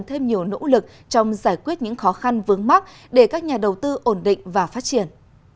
thêm nhiều nỗ lực trong giải quyết những khó khăn vướng mắt để các nhà đầu tư ổn định và phát triển